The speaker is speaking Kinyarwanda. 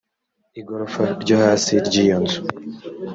igorofa ryo hasi ry iyo nzu